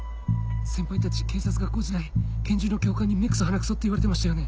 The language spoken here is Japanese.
先輩たち警察学校時代拳銃の教官に目クソ鼻クソって言われてましたよね。